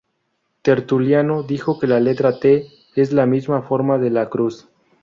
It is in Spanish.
Tertuliano dijo que la letra T "es la misma forma de la cruz".